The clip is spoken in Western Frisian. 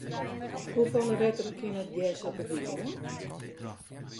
Hoefolle wetter kin it gers op de dyk oan?